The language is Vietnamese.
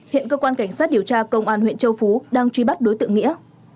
hiện cơ quan cảnh sát điều tra công an huyện châu phú đang truy bắt đối tượng nghĩa